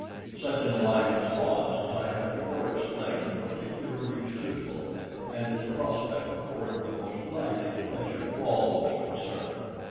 Such an alliance was, as I have before explained, particularly suitable, and its prospect afforded the most lively pleasure to all those concerned.